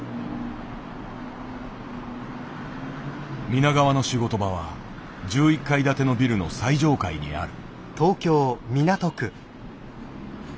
皆川の仕事場は１１階建てのビルの最上階にある。